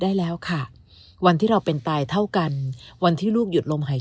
ได้แล้วค่ะวันที่เราเป็นตายเท่ากันวันที่ลูกหยุดลมหาย